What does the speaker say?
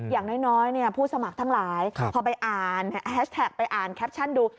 อย่างน้อยผู้สมัครทั้งหลายพอไปอ่านแฮชแท็กไปอ่านแคปชั่นดู